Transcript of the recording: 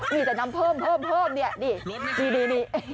มีแต่น้ำเพิ่มนี่ดี